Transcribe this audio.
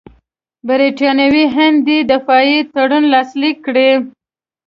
برټانوي هند دې دفاعي تړون لاسلیک کړي.